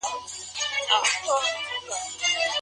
لکه يو څوک چې يو جنس يوه جماعت ته هبه کړي؟